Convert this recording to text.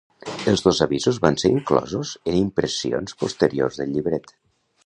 Els dos avisos van ser inclosos en impressions posteriors del llibret.